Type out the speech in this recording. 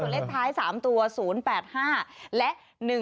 เลขท้าย๓ตัว๔๕๙๕๕และ๑๙๔